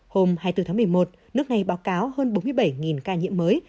hôm hai mươi bốn tháng một mươi một nước này báo cáo hơn bốn mươi bảy ca nhiễm mới